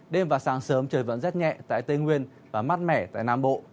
đêm và sáng sớm trời vẫn rét nhẹ tại tây nguyên và mát mẻ tại nam bộ